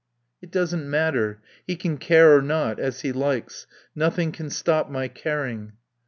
"It doesn't matter. He can care or not as he likes. Nothing can stop my caring."